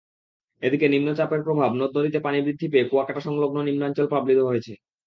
এদিকে নিম্নচাপের প্রভাবে নদ-নদীতে পানি বৃদ্ধি পেয়ে কুয়াকাটা-সংলগ্ন নিম্নাঞ্চল প্লাবিত হয়েছে।